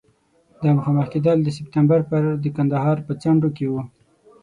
دا مخامخ کېدل د سپټمبر پر د کندهار په څنډو کې وو.